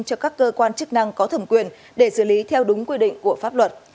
cho các cơ quan chức năng có thẩm quyền để xử lý theo đúng quy định của pháp luật